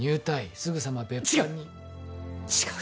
すぐさま別班に違う！